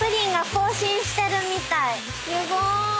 すごーい。